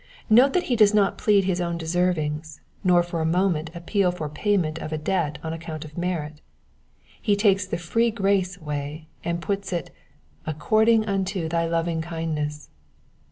Note, that he does not plead his own deservings, nor for a moment appeal for payment of a debt on accoimt of merit ; he takes the free grace way, and puts it, " according unto thy lovingkindness.